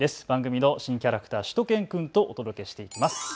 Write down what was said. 番組の新キャラクター、しゅと犬くんとお届けしていきます。